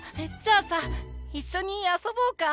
あさいっしょにあそぼうか？